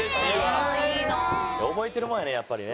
覚えてるもんやねやっぱりね。